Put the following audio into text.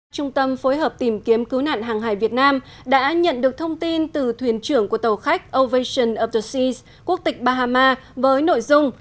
trung tâm phối hợp tìm kiếm cứu nạn hàng hải việt nam đã nhận được thông tin từ thuyền trưởng của tàu khách ovation of the seas quốc tịch bahama với nội dung